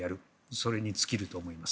それに尽きると思います。